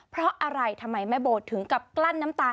เพราะอะไรทำไมแม่โบถึงกับกลั้นน้ำตา